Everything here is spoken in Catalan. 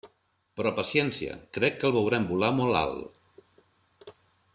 Però paciència, crec que el veurem volar molt alt.